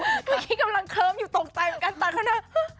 เมื่อกี้กำลังเคิมอยู่ตกใจเหมือนกันครับ